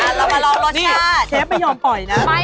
เรามาลองรสชาติเชฟไม่ยอมปล่อยนะ